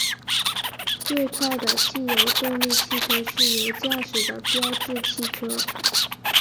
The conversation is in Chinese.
最快的汽油动力汽车是由驾驶的标致汽车。